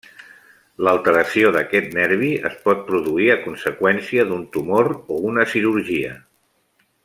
L'alteració d'aquest nervi es pot produir a conseqüència d'un tumor o una cirurgia.